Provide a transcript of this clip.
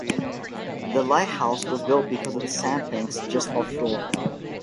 The lighthouse was built because of the sandbanks just offshore.